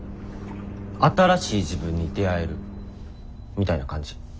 新しい自分に出会えるみたいな感じ？